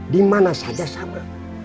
dimana saja sama